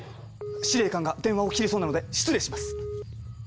司令官が電話を切りそうなので失礼します！